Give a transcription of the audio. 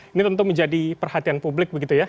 ini tentu menjadi perhatian publik begitu ya